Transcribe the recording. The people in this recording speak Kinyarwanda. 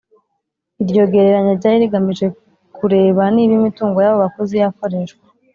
Iryo gereranya ryari rigamije kureba niba imitungo y abo bakozi yakoreshwa